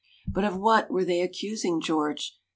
But of what were they accusing George?